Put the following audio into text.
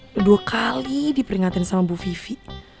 udah dua kali diperingatin sama bu vivi